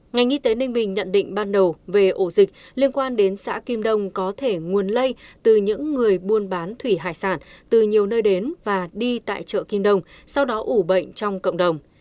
ngành y tế ninh bình nhận định ban đầu về ổ dịch liên quan đến xã kim đông có thể nguồn lây từ những người buôn bán thủy hải sản từ nhiều nơi đến và đi tại chợ kim đông sau đó ủ bệnh trong cộng đồng